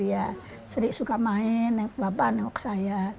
ya sering suka main nengok bapak nengok saya